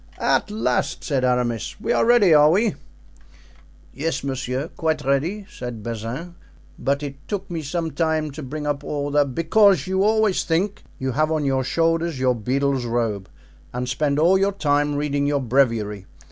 "At last," said Aramis, "we are ready, are we?" "Yes, monsieur, quite ready," said Bazin; "but it took me some time to bring up all the——" "Because you always think you have on your shoulders your beadle's robe, and spend all your time reading your breviary.